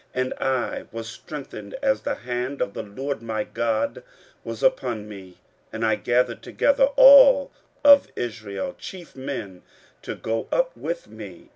And I was strengthened as the hand of the LORD my God was upon me, and I gathered together out of Israel chief men to go up with me.